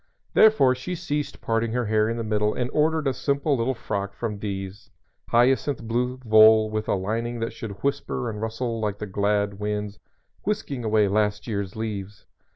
Therefore she ceased parting her hair in the middle and ordered a simple little frock from D 's hyacinth blue voile with a lining that should whisper and rustle like the glad winds whisking away last year's leaves.